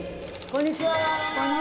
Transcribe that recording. こんにちは。